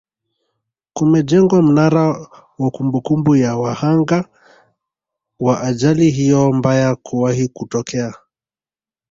kumejengwa mnara wa kumbukumbu ya wahanga wa ajali hiyo mbaya kuwahi kutokea